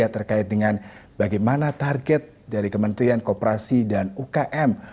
terkait dengan bagaimana target dari kementerian kooperasi dan ukm